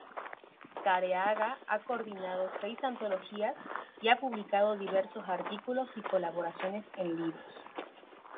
Careaga ha coordinado seis antologías y ha publicado diversos artículos y colaboraciones en libros.